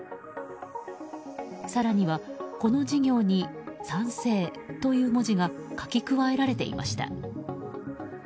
更には、この事業に賛成という文字が書き加えられていました。